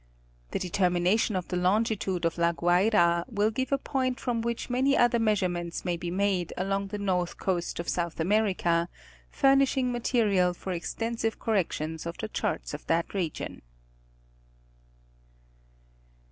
The determination of the longitude of La Guayra will give a point from which many other measurements may be made along the north coast of South America, furnishing material for extensive corrections of the charts of that region.